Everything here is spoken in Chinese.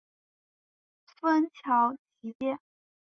芬乔奇街。